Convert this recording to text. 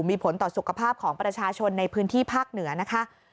มีผลต่อสุขภาพของประชาชนในพื้นที่ภาคเหนือนะคะ